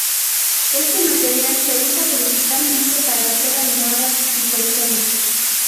Este material se usa principalmente para hacer almohadas y colchones.